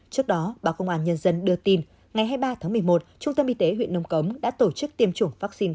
trước đó báo công an nhân dân đưa tin ngày hai mươi ba tháng một mươi một trung tâm y tế huyện nông cống đã tổ chức tiêm chủng vaccine